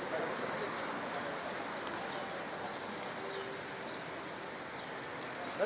terima kasih sekali